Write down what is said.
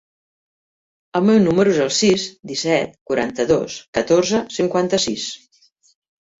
El meu número es el sis, disset, quaranta-dos, catorze, cinquanta-sis.